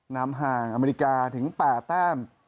นำห่างอเมริกาถึง๘แต้ม